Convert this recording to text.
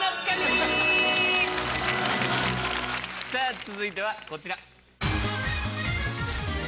さぁ続いてはこちら。